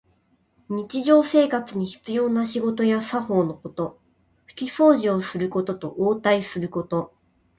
日常生活に必要な仕事や作法のこと。ふきそうじをすることと、応対すること。